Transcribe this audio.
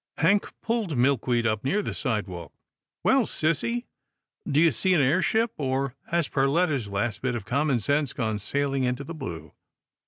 Hank pulled Milkweed up near the sidewalk. " Well, sissy, do you see an air ship, or has Per letta's last bit of common sense gone sailing into the blue?"